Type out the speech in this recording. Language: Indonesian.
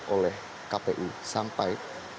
oleh kpu sampai